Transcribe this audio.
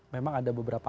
memang ada beberapa